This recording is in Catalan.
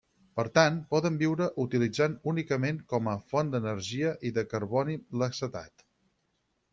Per tant, poden viure utilitzant únicament com a font d'energia i de carboni l'acetat.